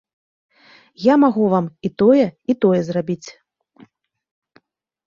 Я магу вам і тое, і тое зрабіць.